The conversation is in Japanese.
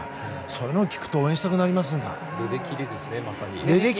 そういうのを聞くと応援したくなりますよね。